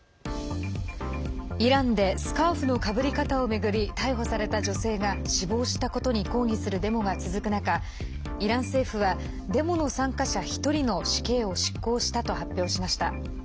イランでスカーフのかぶり方を巡り逮捕された女性が死亡したことに抗議するデモが続く中イラン政府はデモの参加者１人の死刑を執行したと発表しました。